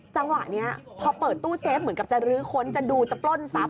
จังหวะนี้พอเปิดตู้เซฟเหมือนกับจะลื้อค้นจะดูจะปล้นทรัพย